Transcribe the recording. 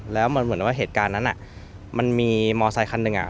แล้วมันเหมือนว่าเหตุการณ์นั้นมันมีมอไซคันหนึ่ง